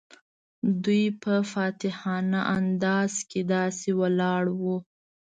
دوی په فاتحانه انداز کې داسې ولاړ وو.